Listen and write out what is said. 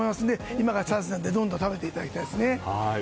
今がチャンスなので食べていただきたいですね。